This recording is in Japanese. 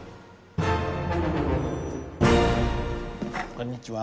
こんにちは。